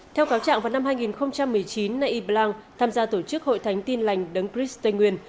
theo cáo trạng vào năm hai nghìn một mươi chín nay yiblang tham gia tổ chức hội thánh tin lành đấng chris tây nguyên